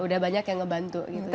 udah banyak yang ngebantu gitu